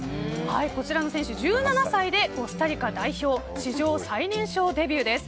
こちらの選手１７歳でコスタリカ代表史上最年少デビューです。